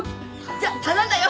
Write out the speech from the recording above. じゃあ頼んだよ。